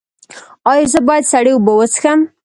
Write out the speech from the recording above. ایا زه باید سړې اوبه وڅښم؟